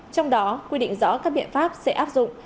trong đó quy định rõ các biện pháp sẽ áp dụng